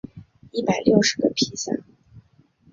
一百六十个披萨